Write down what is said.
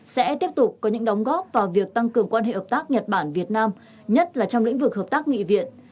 sẽ tiếp tục có những đóng góp vào việc tăng cường quan hệ hợp tác nhật bản việt nam nhất là trong lĩnh vực hợp tác nghị viện